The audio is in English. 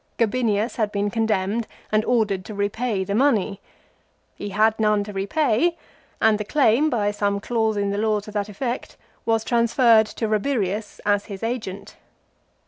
Gabinius had been condemned and ordered to repay the money. He had none to repay, and the claim, by some clause in the law to that effect, was transferred to Rabirius as his agent.